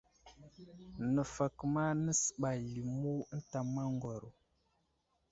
Nəfakuma nasəɓay limu ənta maŋgwaro.